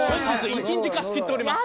１日貸し切っております。